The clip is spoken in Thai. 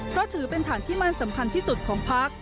เพราะถือเป็นฐานที่มั่นสำคัญที่สุดของพัก